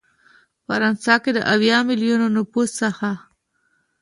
فرانسه کې د اویا ملیونه نفوس څخه